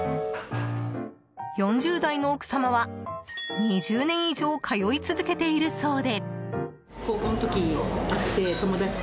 ４０代の奥様は２０年以上通い続けているそうで。